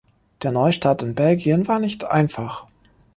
Der Neustart in Belgien war nicht einfach.